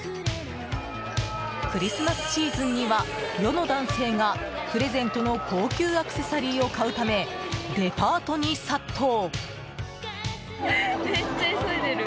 クリスマスシーズンには世の男性がプレゼントの高級アクセサリーを買うため、デパートに殺到。